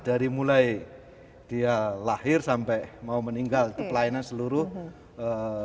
dari mulai dia lahir sampai mau meninggal itu pelayanan seluruh eee